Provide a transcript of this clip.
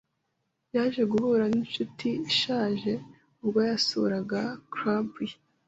Yaje guhura ninshuti ishaje ubwo yasuraga club ye.